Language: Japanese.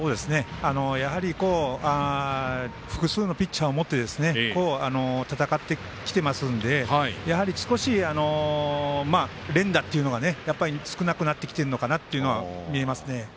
やはり複数のピッチャーを持って戦ってきてますのでやはり少し連打というのが少なくなってきてるのかなというのは見えますね。